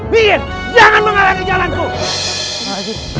bikin jangan mengalahin jalanku